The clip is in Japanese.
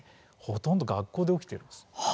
ほとんどが学校で起きているんです。